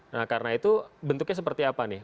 nah karena itu bentuknya seperti apa nih